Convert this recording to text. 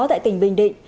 tại tỉnh bình định